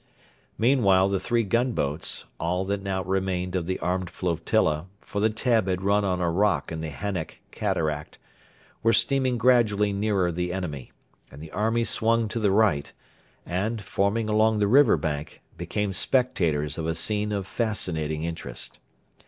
Meanwhile the three gunboats all that now remained of the armed flotilla, for the Teb had run on a rock in the Hannek Cataract were steaming gradually nearer the enemy, and the army swung to the right, and, forming along the river bank, became spectators of a scene of fascinating interest.